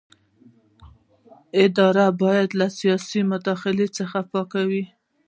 اداره باید له سیاسي مداخلو څخه پاکه وي.